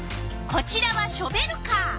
こちらはショベルカー。